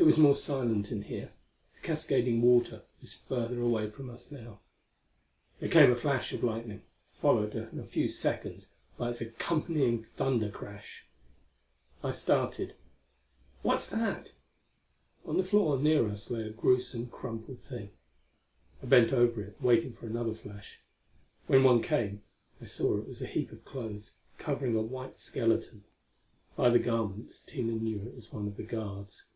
It was more silent in here: the cascading water was further away from us now. There came a flash of lightning, followed in a few seconds by its accompanying thunder crash. I started. "What's that?" On the floor near us lay a gruesome, crumpled thing. I bent over it, waiting for another flash. When one came I saw it was a heap of clothes, covering a white skeleton. By the garments Tina knew it was one of the guards.